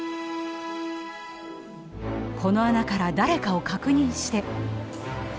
この穴から誰かを確認して。